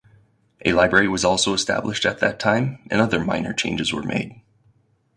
A library was also established at that time and other minor changes were made.